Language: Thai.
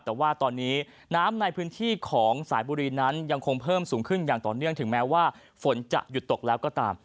แต่ว่าตอนนี้น้ำในพื้นที่ของสายบุรีนั้นยังคงเพิ่มสูงขึ้นอย่างต่อเนื่องถึงแม้ว่าฝนจะหยุดตกแล้วก็ตาม